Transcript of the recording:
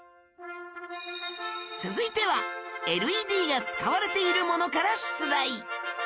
続いては ＬＥＤ が使われているものから出題